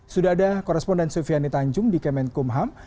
sudah ada korespondan sufiani tanjung di kementerian hukum dan ham